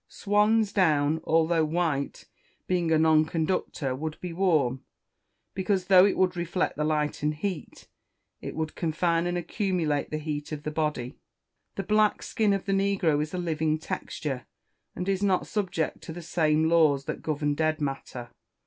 Swansdown, although white, being a non conductor, would be warm, because, though it would reflect the light and heat, it would confine and accumulate the heat of the body. The black skin of the negro is a living texture, and is not subject to the same laws that govern dead matter.